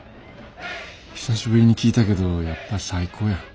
久しぶりに聴いたけどやっぱ最高や。